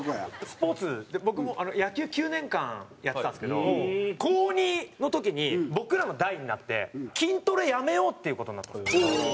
スポーツで僕も野球９年間やってたんですけど高２の時に僕らの代になって筋トレやめようっていう事になったんですよ。